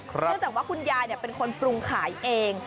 เนื่องจากว่าคุณยายเป็นคนปรุงขายเอง